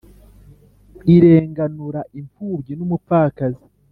irenganura imfubyi n’umupfakazi,